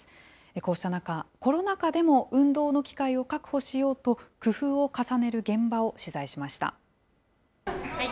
こうした中、コロナ禍でも運動の機会を確保しようと、工夫を重ねる現場を取材しました。